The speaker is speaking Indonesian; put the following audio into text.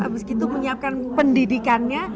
abis itu menyiapkan pendidikannya